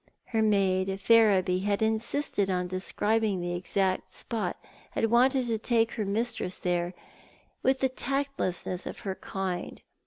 Her maid, Ferriby, had insisted on describing the exact spot, had wanted to take her mistress there, with the tactlessness of her kind.